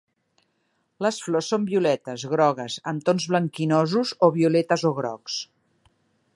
Les flors són violetes, grogues, amb tons blanquinosos o violetes o grocs.